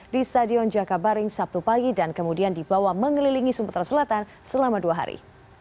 di stadion jakabaring sabtu pagi dan kemudian dibawa mengelilingi sumatera selatan selama dua hari